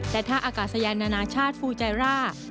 และท่าอากาศยานนานาชาติฟูไจาร่า